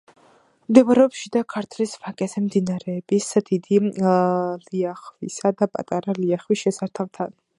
მდებარეობს შიდა ქართლის ვაკეზე მდინარეების დიდი ლიახვისა და პატარა ლიახვის შესართავთან.